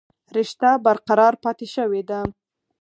رشته برقرار پاتې شوې ده